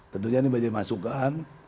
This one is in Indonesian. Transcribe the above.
tentunya ini baju masukan